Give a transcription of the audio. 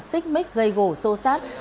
xích mít gây gổ sô sát